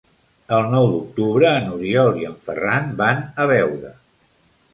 El nou d'octubre n'Oriol i en Ferran van a Beuda.